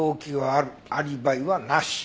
アリバイはなし。